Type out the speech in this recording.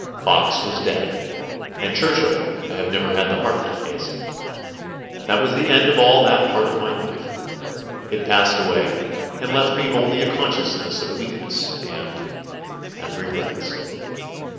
Fox was dead and Churchill I have never had the heart to face. That was the end of all that part of my life. It passed away and left me only a consciousness of weakness and ... and regrets.